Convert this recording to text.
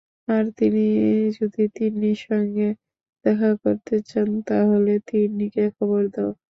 আর তিনি যদি তিন্নির সঙ্গে দেখা করতে চান, তাহলে তিন্নিকে খবর দাও!